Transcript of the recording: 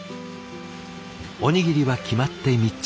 おにぎりは決まって３つ。